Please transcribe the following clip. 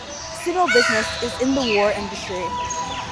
Simmel business is in the war industry.